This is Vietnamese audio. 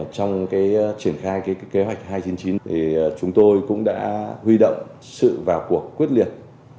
trong triển khai kế hoạch hai trăm chín mươi chín chúng tôi cũng đã huy động sự vào cuộc quyết liệt